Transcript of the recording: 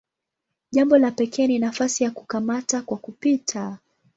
Jambo la pekee ni nafasi ya "kukamata kwa kupita".